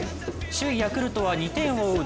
首位ヤクルトは２点を追う